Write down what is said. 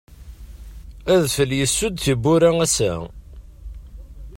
Adfel yessud tiwwura ass-a.